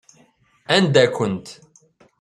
Anda-kent?